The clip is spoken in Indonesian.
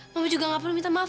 mama juga nggak perlu minta maaf